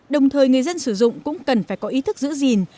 đồng thời người dân sử dụng cũng cần phải có ý thức giữ gìn